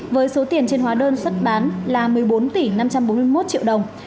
với số tiền trên hóa đơn xuất bán là một mươi bốn tỷ năm trăm bốn mươi một triệu đồng